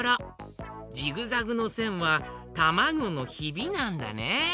ジグザグのせんはたまごのひびなんだね。